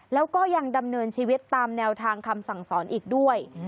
แล้วก็ยังดำเนินชีวิตตามแนวทางคำสั่งสอนอีกด้วย